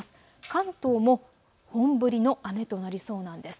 関東も本降りの雨となりそうなんです。